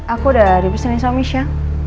aku udah di bisnis omis ya